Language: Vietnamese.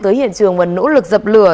tới hiện trường và nỗ lực dập lửa